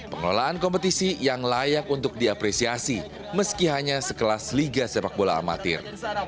pengelolaan kompetisi yang layak untuk diapresiasi meski hanya sekelas liga sepak bola amatir